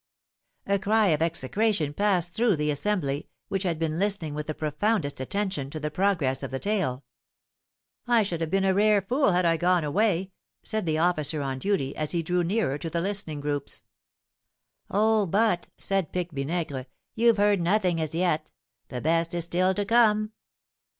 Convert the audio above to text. A cry of execration passed throughout the assembly, which had been listening with the profoundest attention to the progress of the tale. "I should have been a rare fool had I gone away," said the officer on duty, as he drew nearer to the listening groups. "Oh, but," said Pique Vinaigre, "you've heard nothing as yet, the best is still to come.